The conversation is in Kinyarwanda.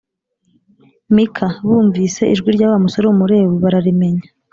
Mika bumvise ijwi rya wa musore w umulewi bararimenya